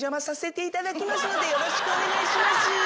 よろしくお願いします。